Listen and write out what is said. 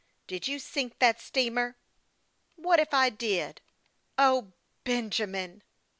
Did you sink that steamer ?"' What if I did ?"" O, Benjamin